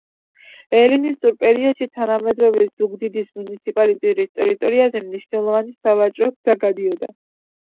ელინისტურ პერიოდში თანამედროვე ზუგდიდის მუნიციპალიტეტის ტერიტორიაზე მნიშვნელოვანი სავაჭრო გზა გადიოდა